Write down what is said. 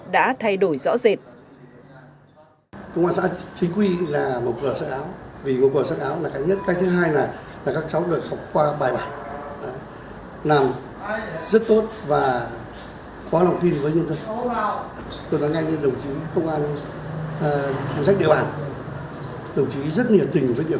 đã thay đổi rõ rệt